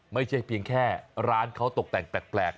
ไม่ใช่เพียงแค่ร้านเขาตกแต่งแปลก